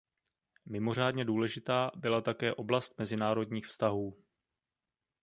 Mimořádně důležitá byla také oblast mezinárodních vztahů.